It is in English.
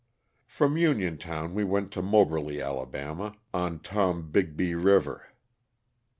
From Uniontown we went to Moberly, Ala., on Tom bigbee river.